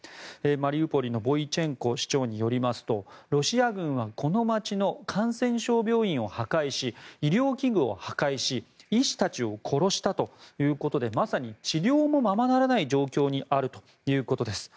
マリウポリのボイチェンコ市長によりますとロシア軍はこの街の感染症病院を破壊し医療器具を破壊し医師たちを殺したということでまさに治療もままならない状況にあるということです。